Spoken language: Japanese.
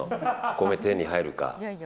米が手に入るか。